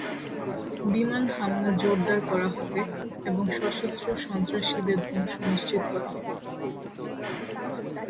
বিমান হামলা জোরদার করা হবে এবং সশস্ত্র সন্ত্রাসীদের ধ্বংস নিশ্চিত করা হবে।